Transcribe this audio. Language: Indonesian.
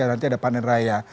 nanti kan nanti ada panen raya